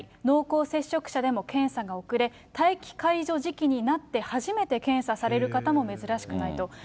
濃厚接触者でも検査が遅れ、待機解除時期になって初めて検査される方も珍しくないと。